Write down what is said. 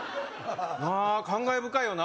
なあ感慨深いよな